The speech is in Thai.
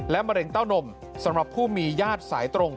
มะเร็งเต้านมสำหรับผู้มีญาติสายตรง